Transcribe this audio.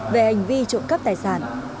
về hành vi trộm cắp tài sản